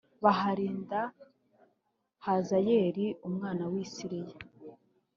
baharinda Hazayeli umwami w i Siriya